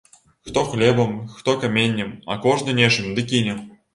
Хто хлебам, хто каменнем, а кожны нечым ды кіне.